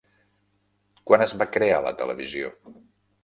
Quan es va crear la televisió?